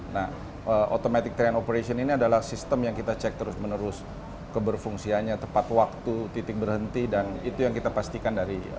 nah automatic train operation ini adalah sistem yang kita cek terus menerus keberfungsiannya tepat waktu titik berhenti dan itu yang kita pastikan dari